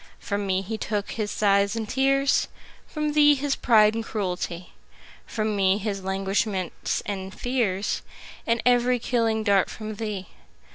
From me he took his sighs and tears, From thee his pride and cruelty; 10 From me his languishments and fears, And every killing dart from thee.